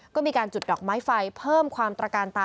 ก็มีการจุดดอกไม้ไฟเพิ่มความตระการตา